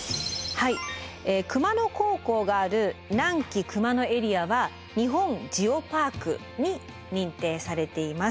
熊野高校がある南紀熊野エリアは「日本ジオパーク」に認定されています。